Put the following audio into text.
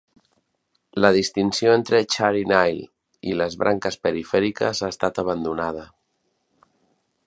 La distinció entre Chari-Nile i les branques perifèriques ha estat abandonada.